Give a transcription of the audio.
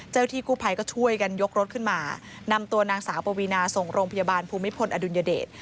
ที่กู้ภัยก็ช่วยกันยกรถขึ้นมานำตัวนางสาวปวีนาส่งโรงพยาบาลภูมิพลอดุลยเดช